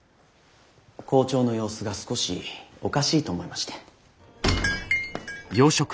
校長の様子が少しおかしいと思いまして。